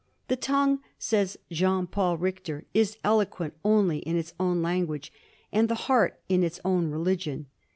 The tongue, says Jean Paul Richter, is eloquent only in its own language, and the heart in its own religion.